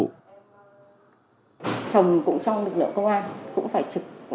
chồng cũng trong lực lượng công an